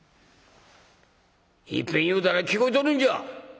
いっぺん言うたら聞こえとるんじゃ！